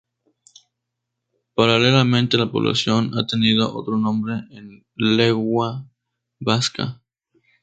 Paralelamente la población ha tenido otro nombre en lengua vasca.